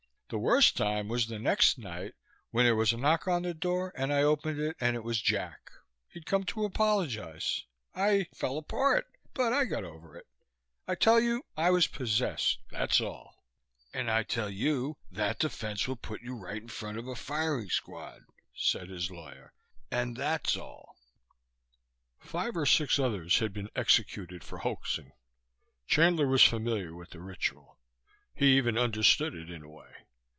The worst time was the next night, when there was a knock on the door and I opened it and it was Jack. He'd come to apologize. I fell apart; but I got over it. I tell you I was possessed, that's all." "And I tell you that defense will put you right in front of a firing squad," said his lawyer. "And that's all." Five or six others had been executed for hoaxing; Chandler was familiar with the ritual. He even understood it, in a way.